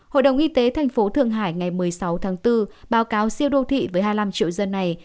hội đồng y tế thành phố thượng hải ngày một mươi sáu tháng bốn báo cáo siêu đô thị với hai mươi năm triệu dân này